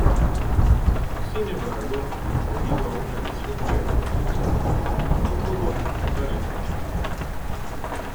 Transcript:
Sin embargo, debido a una lesión de rodilla, no pudo disputar el partido.